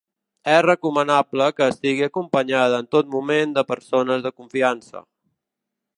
És recomanable que estigui acompanyada en tot moment de persones de confiança.